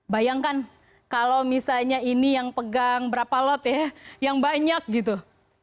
bayangkan kalau misalnya ini yang pegang berapa lot ya yang banyak gitu